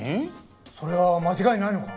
それは間違いないのか？